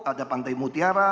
ada pantai mutiara